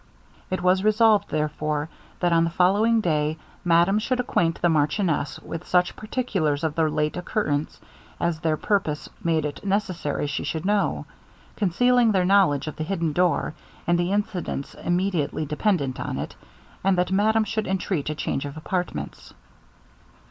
It was resolved, therefore, that on the following day madame should acquaint the marchioness with such particulars of the late occurrence as their purpose made it necessary she should know, concealing their knowledge of the hidden door, and the incidents immediately dependant on it; and that madame should entreat a change of apartments.